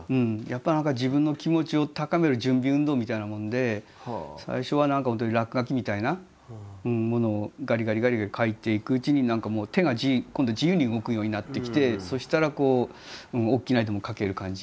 やっぱ何か自分の気持ちを高める準備運動みたいなもんで最初は何か本当に落書きみたいなものをガリガリガリガリ描いていくうちに何かもう手が今度自由に動くようになってきてそしたら大きな絵でも描ける感じ。